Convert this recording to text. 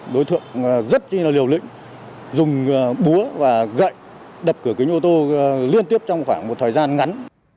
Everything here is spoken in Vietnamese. đối tượng rất là liều lĩnh dùng búa và gậy đập cửa kính ô tô liên tiếp trong khoảng một thời gian ngắn